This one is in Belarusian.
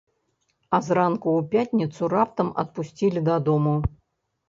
А зранку ў пятніцу раптам адпусцілі дадому.